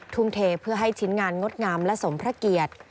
ทุ่มเทเพื่อให้ชิ้นงานงดงามและสมพระเกียรติ